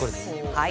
はい。